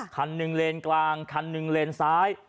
คันหนึ่งเลนกลางคันหนึ่งเลนซ้าย